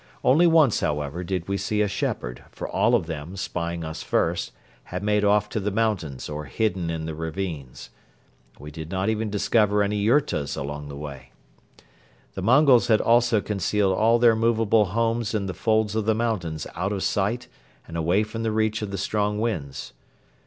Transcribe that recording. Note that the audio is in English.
Only once, however, did we see a shepherd, for all of them, spying us first, had made off to the mountains or hidden in the ravines. We did not even discover any yurtas along the way. The Mongols had also concealed all their movable homes in the folds of the mountains out of sight and away from the reach of the strong winds.